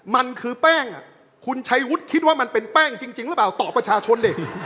มันคือแป้งคุณชัยวุฒิคิดว่ามันเป็นแป้งจริงหรือเปล่าต่อประชาชนดิ